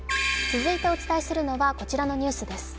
続いてお伝えするのはこちらのニュースです。